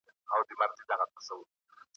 انسانانو د علم په مرسته پرمختګ وکړ.